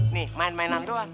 nih main mainan doang